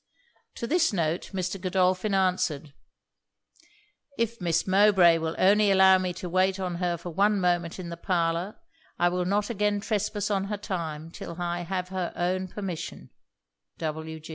To this note, Mr. Godolphin answered 'If Miss Mowbray will only allow me to wait on her for one moment in the parlour, I will not again trespass on her time till I have her own permission.